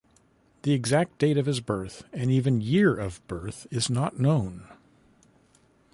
The exact date of his birth and even year of birth is not known.